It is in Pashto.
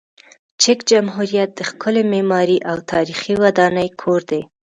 چک جمهوریت د ښکلې معماري او تاریخي ودانۍ کور دی.